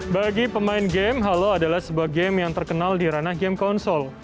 bagi pemain game halo adalah sebuah game yang terkenal di ranah game konsol